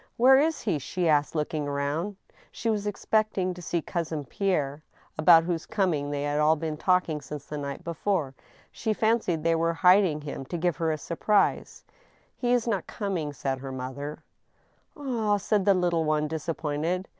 " Where is he ?" she asked, looking round. She was expecting to see Cousin Pierre, about whose coming they had all been talking since the night before. ., She fancied they were hiding him to give her a surprise. He is not coming," said her mother. AWAKENED. 97 " Ah !" said the little one, disappointed.